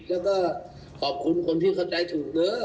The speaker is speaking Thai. แล้วก็ขอบคุณคนที่เข้าใจถูกเด้อ